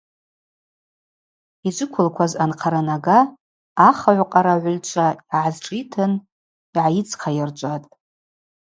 Йджвыквылкваз анхъаранага ахыгӏвкъарагӏвыльчва йгӏарызшӏитын йгӏайыдзхъайырчӏватӏ.